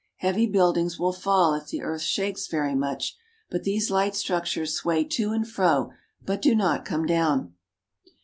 Heavy buildings will fall if the earth shakes very much, but these light structures sway to and fro, but do not come down.